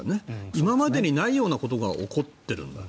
今までにないようなことが起こっているんだね。